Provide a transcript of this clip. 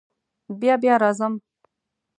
بیا بیا راځم.